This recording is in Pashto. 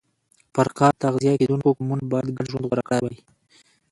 پر ښکار تغذیه کېدونکو قومونو باید ګډ ژوند غوره کړی وای